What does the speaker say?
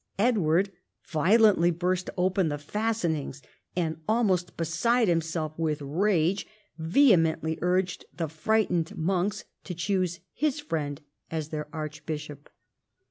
Edward violently burst open the fastenings and, almost beside himself with rage, vehemently urged the frightened monks to choose his friend as their archbishop.